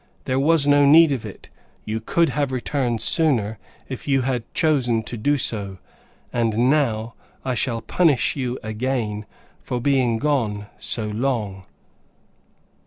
There was no need of it; you could have returned sooner if you had chosen to do so, and now, I shall punish you again, for being gone so long."